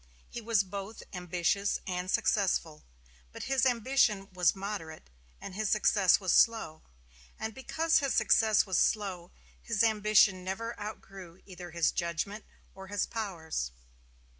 He was both ambitious and successful, but his ambition was moderate and his success was slow. And because his success was slow, his ambition never outgrew either his judgment or his powers.